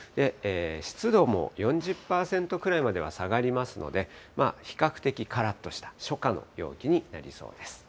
湿度も４０％くらいまでは下がりますので、比較的からっとした、初夏の陽気になりそうです。